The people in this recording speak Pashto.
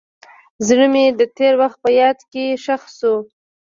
زړه مې د تېر وخت په یاد کې ښخ شو.